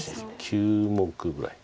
９目ぐらい。